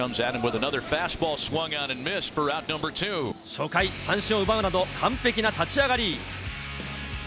初回、三振を奪うなど完璧な立ち上がり。